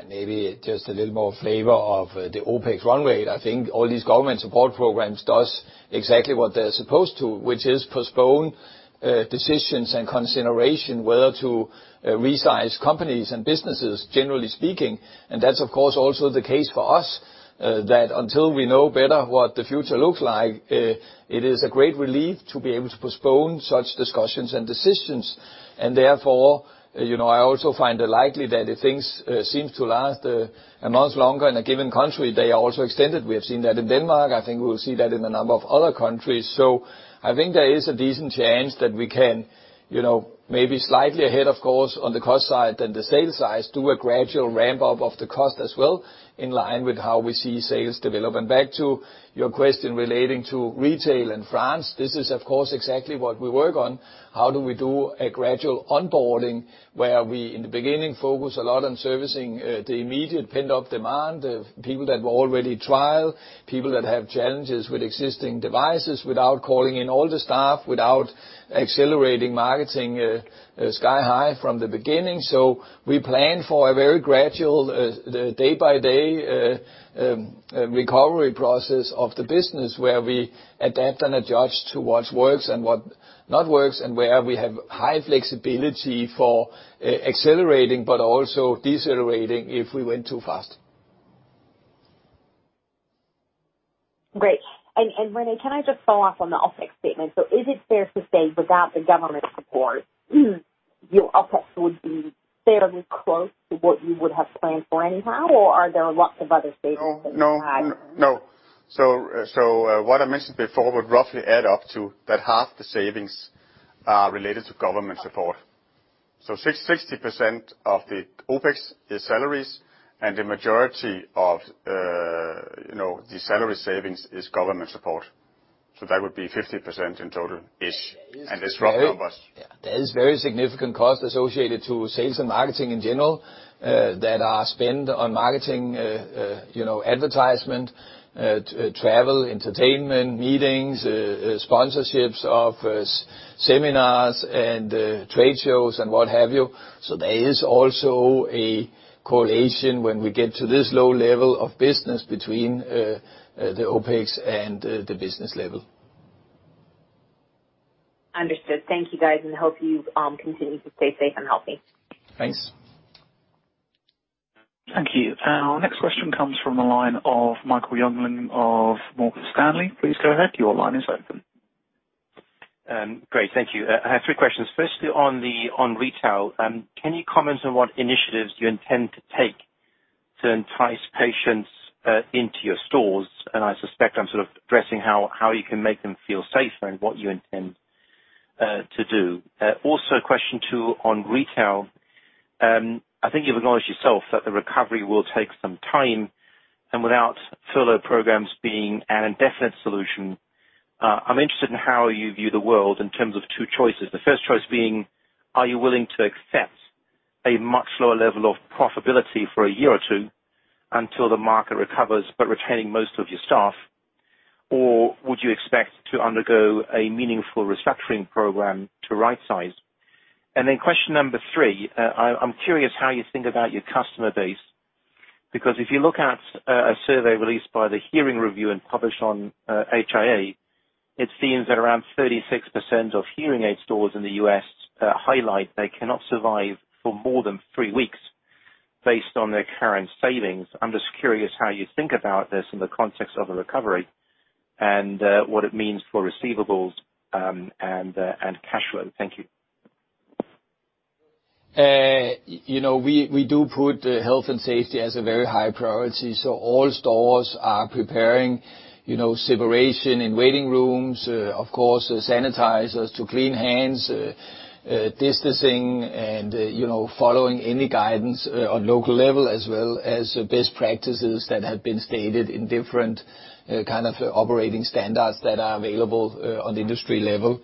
Maybe just a little more flavor of the OpEx run rate. I think all these government support programs do exactly what they're supposed to, which is postpone decisions and consideration whether to resize companies and businesses, generally speaking. That's, of course, also the case for us, that until we know better what the future looks like, it is a great relief to be able to postpone such discussions and decisions. Therefore, you know, I also find it likely that if things seem to last a month longer in a given country, they are also extended. We have seen that in Denmark. I think we will see that in a number of other countries. So I think there is a decent chance that we can, you know, maybe slightly ahead, of course, on the cost side than the sales side, do a gradual ramp-up of the cost as well in line with how we see sales develop. And back to your question relating to retail in France. This is, of course, exactly what we work on. How do we do a gradual onboarding where we, in the beginning, focus a lot on servicing the immediate pent-up demand, people that were already trial, people that have challenges with existing devices without calling in all the staff, without accelerating marketing sky high from the beginning? So we plan for a very gradual, day-by-day, recovery process of the business where we adapt and adjust to what works and what not works and where we have high flexibility for accelerating but also decelerating if we went too fast. Great. And, and René, can I just follow up on the OpEx statement? So is it fair to say without the government support, your OpEx would be fairly close to what you would have planned for anyhow, or are there lots of other savings to add? No, no, no. So, so, what I mentioned before would roughly add up to that half the savings, related to government support. So 60% of the OpEx is salaries, and the majority of, you know, the salary savings is government support. So that would be 50% in total-ish. And it's rough numbers. Yeah. There is very significant cost associated to sales and marketing in general, that are spent on marketing, you know, advertisement, travel, entertainment, meetings, sponsorship offers, seminars and, trade shows and what have you. So there is also a correlation when we get to this low level of business between, the OpEx and, the business level. Understood. Thank you, guys, and hope you, continue to stay safe and healthy. Thanks. Thank you. Our next question comes from the line of Michael Jüngling of Morgan Stanley. Please go ahead. Your line is open. Great. Thank you. I have three questions. Firstly, on the retail, can you comment on what initiatives you intend to take to entice patients, into your stores? And I suspect I'm sort of addressing how you can make them feel safer and what you intend, to do. Also question two on retail. I think you've acknowledged yourself that the recovery will take some time, and without furlough programs being an indefinite solution, I'm interested in how you view the world in terms of two choices. The first choice being, are you willing to accept a much lower level of profitability for a year or two until the market recovers but retaining most of your staff, or would you expect to undergo a meaningful restructuring program to right-size? And then question number three, I'm curious how you think about your customer base because if you look at, a survey released by the Hearing Review and published on, HIA, it seems that around 36% of hearing aid stores in the U.S., highlight they cannot survive for more than three weeks based on their current savings. I'm just curious how you think about this in the context of a recovery and what it means for receivables and cash flow. Thank you. You know, we do put health and safety as a very high priority. So all stores are preparing, you know, separation in waiting rooms, of course, sanitizers to clean hands, distancing, and, you know, following any guidance on local level as well as best practices that have been stated in different kind of operating standards that are available on the industry level.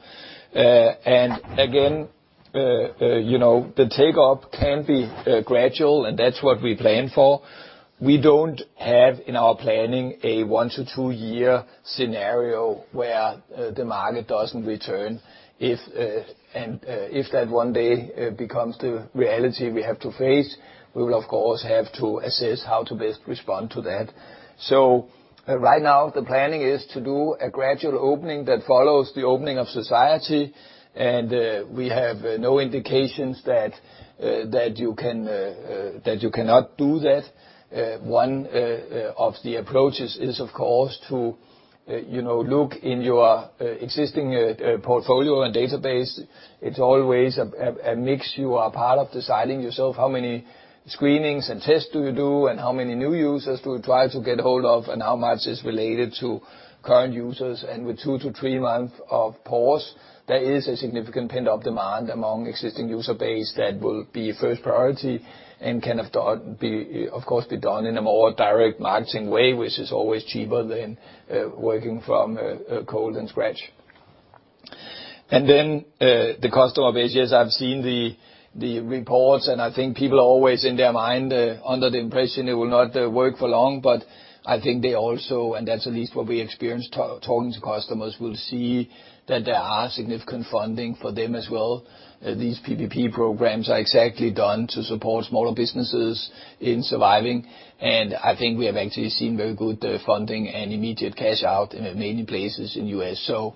And again, you know, the take-up can be gradual, and that's what we plan for. We don't have in our planning a one to two-year scenario where the market doesn't return. If that one day becomes the reality we have to face, we will, of course, have to assess how to best respond to that. Right now, the planning is to do a gradual opening that follows the opening of society. We have no indications that you cannot do that. One of the approach is, of course, to you know, look in your existing portfolio and database. It's always a mix you are part of deciding yourself how many screenings and tests do you do, and how many new users do you try to get a hold of, and how much is related to current users. With two to three months of pause, there is a significant pent-up demand among existing user base that will be first priority and can, of course, be done in a more direct marketing way, which is always cheaper than working from cold and scratch. Then the customer base, yes, I've seen the reports, and I think people are always in their mind under the impression it will not work for long. But I think they also, and that's at least what we experience talking to customers, will see that there are significant funding for them as well. These PPP programs are exactly done to support smaller businesses in surviving. And I think we have actually seen very good funding and immediate cash out in many places in the U.S.. So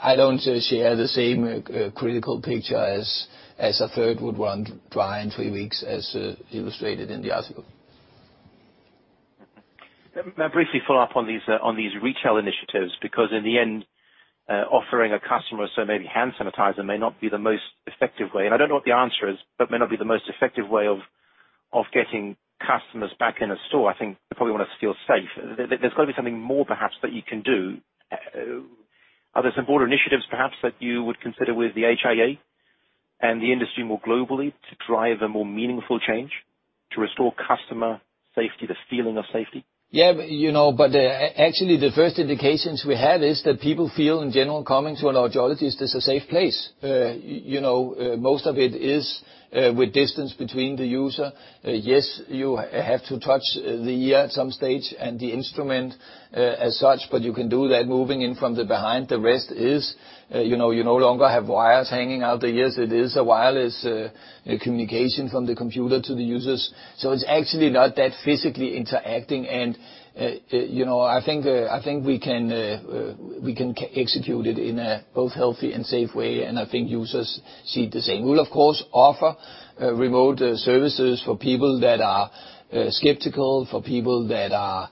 I don't share the same critical picture as if their cash would run dry in three weeks, as illustrated in the article. May I briefly follow up on these retail initiatives? Because in the end, offering a customer say maybe hand sanitizer may not be the most effective way. And I don't know what the answer is, but it may not be the most effective way of getting customers back in a store. I think they probably want to feel safe. There's got to be something more perhaps that you can do. Are there some broader initiatives perhaps that you would consider with the HIA and the industry more globally to drive a more meaningful change to restore customer safety, the feeling of safety? Yeah. You know, but actually, the first indications we have is that people feel in general coming to an audiologist, it's a safe place. You know, most of it is with distance between the user. Yes, you have to touch the ear at some stage and the instrument as such, but you can do that moving in from behind. The rest is, you know, you no longer have wires hanging out the ears. It is a wireless communication from the computer to the users. So it's actually not that physically interacting, and you know, I think, I think we can, we can execute it in a both healthy and safe way, and I think users see the same. We will, of course, offer remote services for people that are skeptical, for people that are,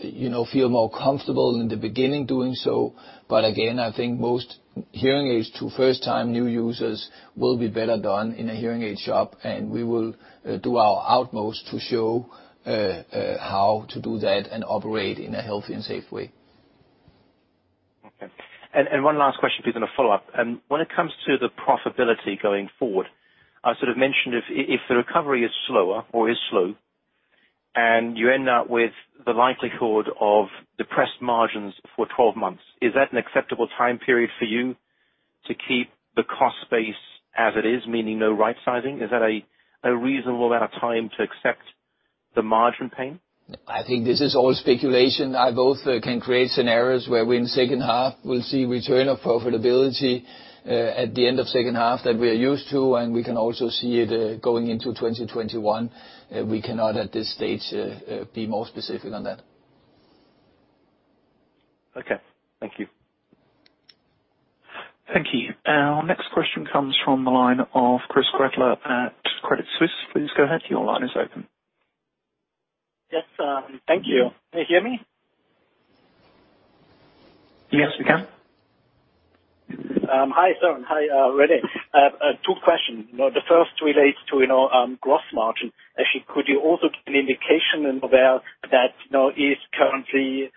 you know, feel more comfortable in the beginning doing so, but again, I think most hearing aids to first-time new users will be better done in a hearing aid shop, and we will do our utmost to show how to do that and operate in a healthy and safe way. Okay, and one last question, please, on a follow-up. When it comes to the profitability going forward, I sort of mentioned if the recovery is slower or is slow and you end up with the likelihood of depressed margins for 12 months, is that an acceptable time period for you to keep the cost base as it is, meaning no right-sizing? Is that a reasonable amount of time to accept the margin pain? I think this is all speculation. I both can create scenarios where we in second half will see return of profitability, at the end of second half that we are used to, and we can also see it going into 2021. We cannot at this stage be more specific on that. Okay. Thank you. Thank you. Our next question comes from the line of Christoph Gretler at Credit Suisse. Please go ahead. Your line is open. Yes. Thank you. Can you hear me? Yes, we can. Hi, sir. Hi, René. Two questions. You know, the first relates to, you know, gross margin. Actually, could you also give an indication of where that, you know, is currently,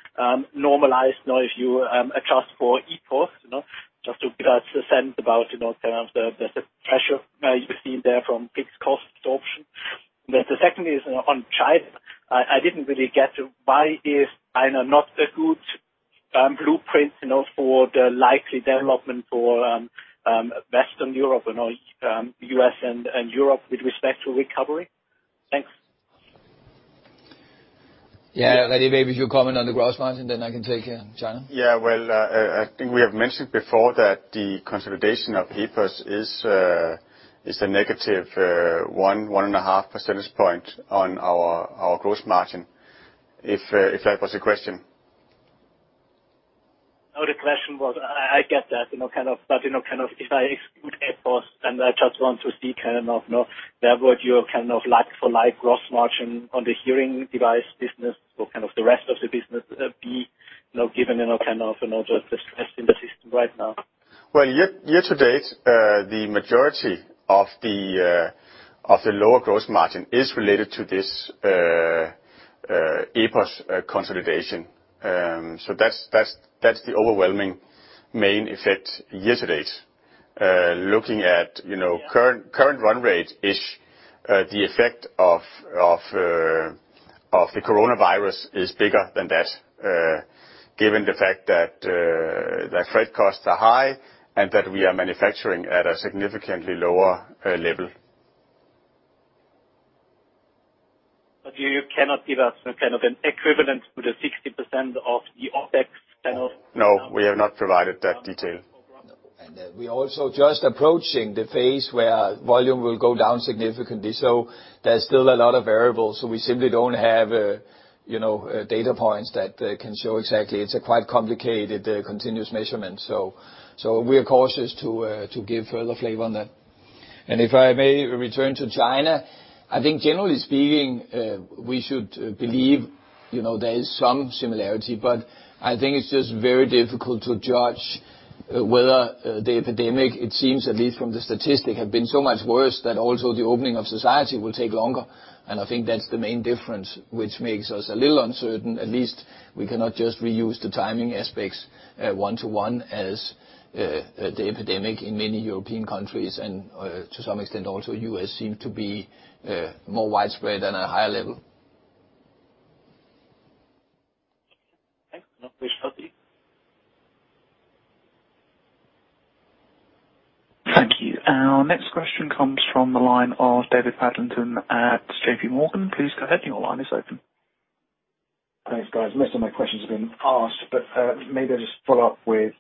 normalized, you know, if you adjust for EPOS, you know, just to give us a sense about, you know, kind of the pressure you've seen there from fixed cost absorption? But the second is, you know, on China. I didn't really get to why is China not a good blueprint, you know, for the likely development for Western Europe, you know, U.S. and Europe with respect to recovery? Thanks. Yeah. René, maybe if you comment on the gross margin, then I can take China. Yeah. Well, I think we have mentioned before that the consolidation of EPOS is a negative one to one and a half percentage point on our gross margin. If that was the question. No, the question was, I get that, you know, kind of, but, you know, kind of if I exclude EPOS, then I just want to see kind of, you know, where would your kind of like-for-like gross margin on the hearing device business or kind of the rest of the business, be, you know, given, you know, kind of, you know, the, the stress in the system right now? Year-to-date, the majority of the lower gross margin is related to this EPOS consolidation. So that's the overwhelming main effect year-to-date. Looking at, you know, current run rate-ish, the effect of the coronavirus is bigger than that, given the fact that freight costs are high and that we are manufacturing at a significantly lower level. But you cannot give us kind of an equivalent with a 60% of the OpEx kind of? No, we have not provided that detail. And we are also just approaching the phase where volume will go down significantly. So there's still a lot of variables. So we simply don't have a you know data points that can show exactly. It's a quite complicated continuous measurement. So we are cautious to give further flavor on that. And if I may return to China, I think generally speaking we should believe you know there is some similarity, but I think it's just very difficult to judge whether the epidemic it seems at least from the statistic have been so much worse that also the opening of society will take longer. And I think that's the main difference which makes us a little uncertain. At least we cannot just reuse the timing aspects one-to-one as the epidemic in many European countries and, to some extent, also the U.S. seem to be more widespread at a higher level. Thanks. Thank you. Our next question comes from the line of David Adlington at JPMorgan. Please go ahead. Your line is open. Thanks, guys. Most of my questions have been asked, but maybe I'll just follow up with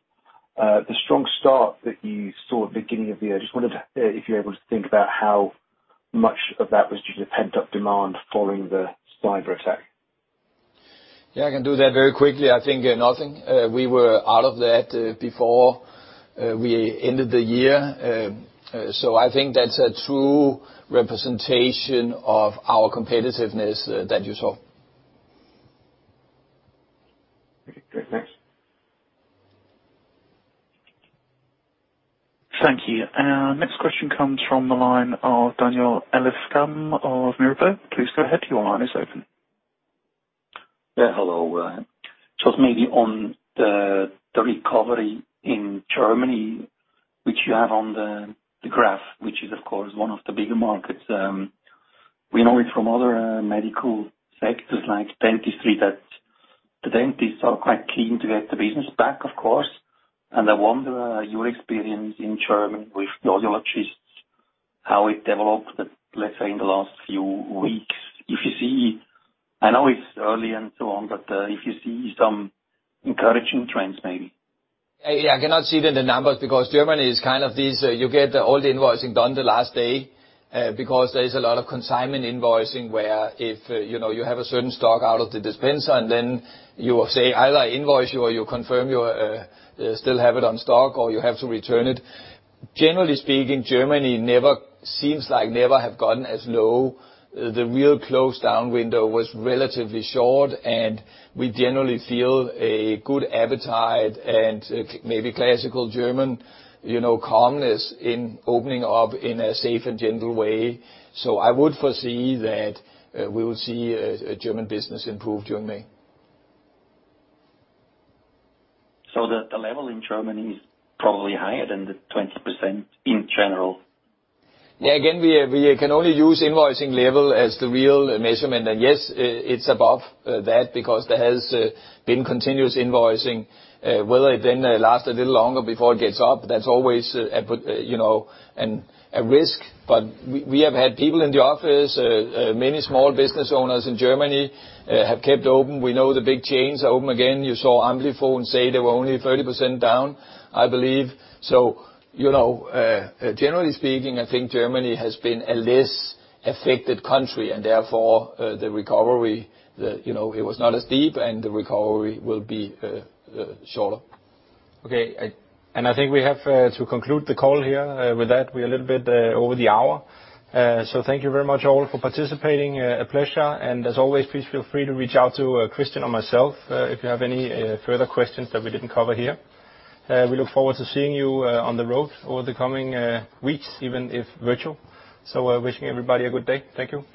the strong start that you saw at the beginning of the year. I just wanted to hear if you're able to think about how much of that was due to pent-up demand following the cyber attack. Yeah, I can do that very quickly. I think nothing. We were out of that before we ended the year, so I think that's a true representation of our competitiveness that you saw. Okay. Great. Thanks. Thank you. Our next question comes from the line of Daniel Jelovcan of Mirabaud. Please go ahead. Your line is open. Yeah. Hello. Just maybe on the recovery in Germany, which you have on the graph, which is, of course, one of the bigger markets. We know it from other medical sectors like dentistry that the dentists are quite keen to get the business back, of course. And I wonder, your experience in Germany with the audiologists, how it developed, let's say in the last few weeks. If you see, I know it's early and so on, but if you see some encouraging trends maybe. Yeah. I cannot see them in the numbers because Germany is kind of these. You get all the invoicing done the last day, because there is a lot of consignment invoicing where if, you know, you have a certain stock out of the dispenser, and then you say either I invoice you or you confirm you still have it on stock or you have to return it. Generally speaking, Germany never seems to have gotten as low. The real close-down window was relatively short, and we generally feel a good appetite and, maybe classical German, you know, calmness in opening up in a safe and gentle way. I would foresee that we will see German business improve during May. So the level in Germany is probably higher than the 20% in general? Yeah. Again, we can only use invoicing level as the real measurement. Yes, it's above that because there has been continuous invoicing. Whether it then lasts a little longer before it gets up, that's always, you know, a risk. But we have had people in the office. Many small business owners in Germany have kept open. We know the big chains are open again. You saw Amplifon say they were only 30% down, I believe. You know, generally speaking, I think Germany has been a less affected country, and therefore, the recovery, you know, it was not as deep, and the recovery will be shorter. Okay. I think we have to conclude the call here with that. We are a little bit over the hour. Thank you very much all for participating. A pleasure. And as always, please feel free to reach out to Christian or myself if you have any further questions that we didn't cover here. We look forward to seeing you on the road over the coming weeks, even if virtual. So, wishing everybody a good day. Thank you.